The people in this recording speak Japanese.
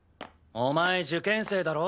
お前受験生だろ？